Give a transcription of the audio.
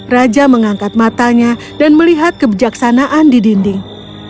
raja mengangkat matanya dan melihat kebijaksanaan di dinding